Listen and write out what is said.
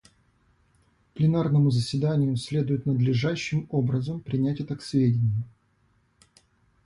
Пленарному заседанию следует надлежащим образом принять это к сведению.